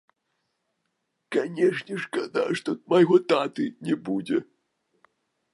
Канечне, шкада, што майго таты не будзе.